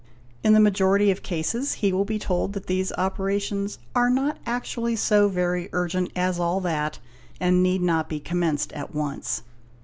In the majority of cases he will be told that these operations "are not actually so very urgent as all that'', and need not be commenced at once.